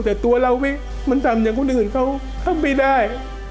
แต่ตัวเรามันทำอย่างคนอื่นเขาทำไม่ได้